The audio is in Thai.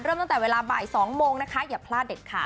ตั้งแต่เวลาบ่าย๒โมงนะคะอย่าพลาดเด็ดขาด